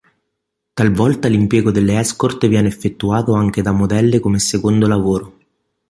Talvolta l'impiego della escort viene effettuato anche da modelle come secondo lavoro.